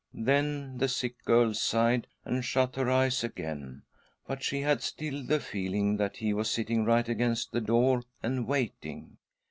Then the sick girl sighed and shut her eyes again ; but she had still the feeling that he was sitting right against the door and waiting.